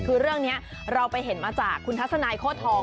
คือเรื่องนี้เราไปเห็นมาจากคุณทัศนายโคตรทอง